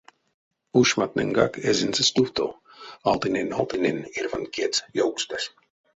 Ушмантнэньгак эзинзе стувто: алтынэнь-алтынэнь эрьванть кедьс ёвкстась.